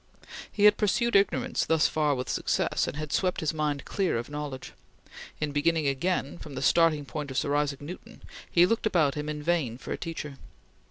He had pursued ignorance thus far with success, and had swept his mind clear of knowledge. In beginning again, from the starting point of Sir Isaac Newton, he looked about him in vain for a teacher.